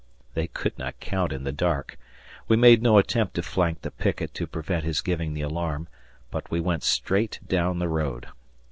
They could not count in the dark. We made no attempt to flank the picket to prevent his giving the alarm, but we went straight down the road.